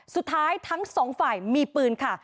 สุดท้ายทั้ง๒ฝ่ายมีปืนค่ะ